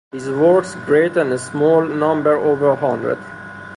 His works, great and small, number over a hundred.